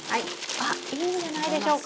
あっいいんじゃないでしょうか？